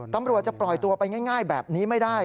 ตำรวจจะปล่อยตัวไปง่ายแบบนี้ไม่ได้